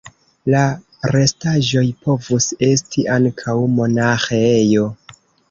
La restaĵoj povus esti ankaŭ monaĥejo.